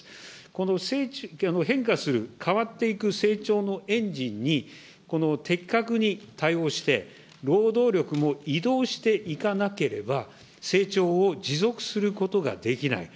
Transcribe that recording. この変化する、変わっていく成長のエンジンに、的確に対応して、労働力も移動していかなければ、成長を持続することができない。